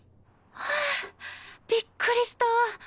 あびっくりした。